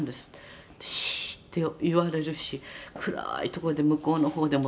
「“シーッ！”って言われるし暗い所で向こうの方でもって」